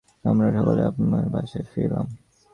আমরাও সকলে আপন আপন বাসায় ফিরিলাম।